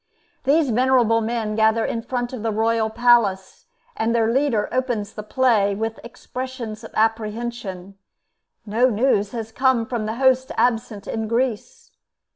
These venerable men gather in front of the royal palace, and their leader opens the play with expressions of apprehension: no news has come from the host absent in Greece.